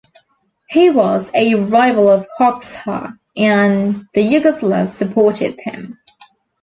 He was a rival of Hoxha, and the Yugoslavs supported him.